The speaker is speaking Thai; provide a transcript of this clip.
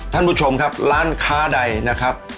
ท่านผู้ชมครับร้านค้าใดนะครับ